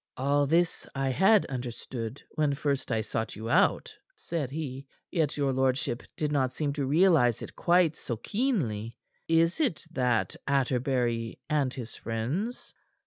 "All this I had understood when first I sought you out," said he. "Yet your lordship did not seem to realize it quite so keenly. Is it that Atterbury and his friends